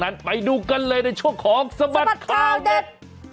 นั้นไปดูกันเลยในช่วงของสบัดข่าวเด็ด